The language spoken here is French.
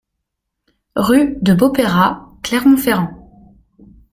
Rue de Beaupeyras, Clermont-Ferrand